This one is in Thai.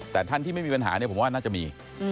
แต่ท่านที่ไม่มีปัญหาเนี่ยผมว่าน่าจะมี